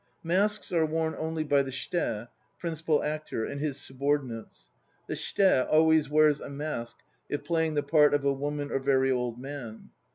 Masks are worn only by the shite (principal actor) and his sub ordinates. The shite always wears a mask if playing the part of a woman or very old man.